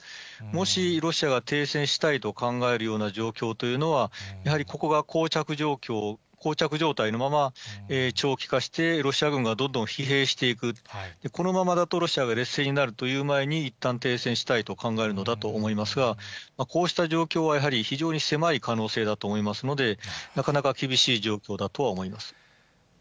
もし、ロシアが停戦したいと考えるような状況というのは、やはりここがこう着状態のまま、長期化して、ロシア軍がどんどん疲弊していく、このままだとロシアが劣勢になるという前に、いったん停戦したいと考えるのだと思いますが、こうした状況はやはり非常に狭い可能性だと思いますので、なかなか厳しい状況だとは思います。